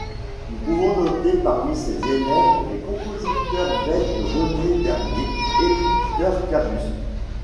Nous pouvons noter parmi ses élèves les compositeurs belges René Bernier et Peter Cabus.